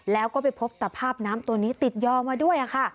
แล้วก็ไปพบตภาพน้ำตัวนี้ติดยอมาด้วยค่ะ